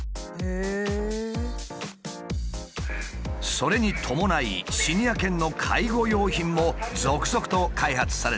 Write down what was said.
それに伴いシニア犬の介護用品も続々と開発されている。